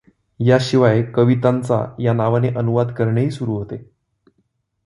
याशिवाय कवितांचा या नावाने अनुवाद करणेही सुरू होते.